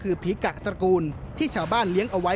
คือผีกะตระกูลที่ชาวบ้านเลี้ยงเอาไว้